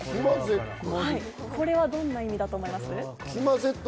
これはどんな意味だと思います？